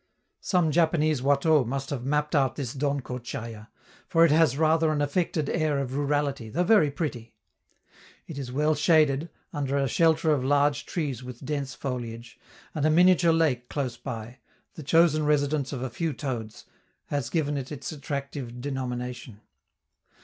Some Japanese Watteau must have mapped out this Donko Tchaya, for it has rather an affected air of rurality, though very pretty. It is well shaded, under a shelter of large trees with dense foliage, and a miniature lake close by, the chosen residence of a few toads, has given it its attractive denomination.